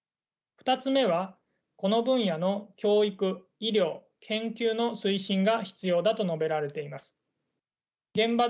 ２つ目はこの分野の教育医療研究の推進が必要だと述べられています。